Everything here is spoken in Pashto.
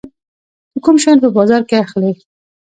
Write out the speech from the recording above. ته کوم شیان په بازار کې اخلي؟